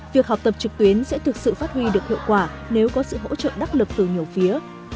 việc học tập trực tuyến sẽ thực sự phát huy được hiệu quả nếu có sự hỗ trợ đắc lực từ nhiều phía